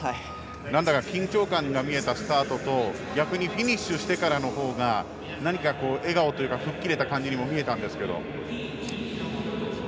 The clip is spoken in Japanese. なんだか緊張感が見えたスタートと逆にフィニッシュしてからのほうが笑顔というか吹っ切れた感じにも見えたんですが。